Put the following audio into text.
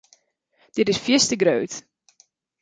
Dit is fierste grut.